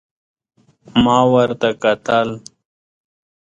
ما ورته کتل ،